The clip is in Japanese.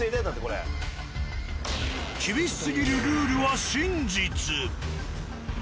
「厳しすぎるルール」は真実。